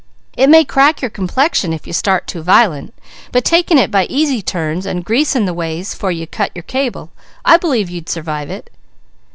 It may crack your complexion, if you start too violent, but taking it by easy runs and greasing the ways 'fore you cut your cable, I believe you'd survive it!"